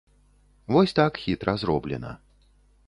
Вось так хітра зроблена.